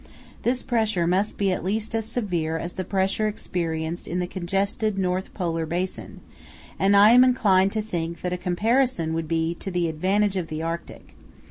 This pressure must be at least as severe as the pressure experienced in the congested North Polar basin, and I am inclined to think that a comparison would be to the advantage of the Arctic.